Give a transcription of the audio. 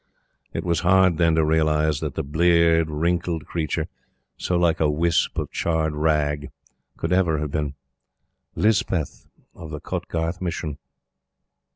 It was hard then to realize that the bleared, wrinkled creature, so like a wisp of charred rag, could ever have been "Lispeth of the Kotgarth Mission."